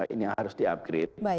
ini yang harus diupgrade